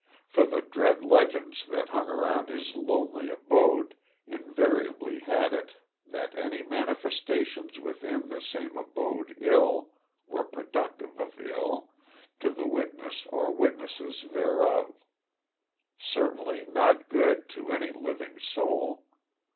For the dread legends that hung around his lonely abode invariably had it that any manifestations within the same boded ill were productive of ill to the witness or witnesses thereof; certainly not good, to any living soul.